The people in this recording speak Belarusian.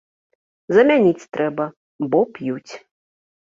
Замяніць трэба, бо п'юць.